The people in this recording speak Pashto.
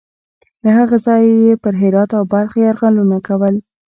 له هغه ځایه یې پر هرات او بلخ یرغلونه کول.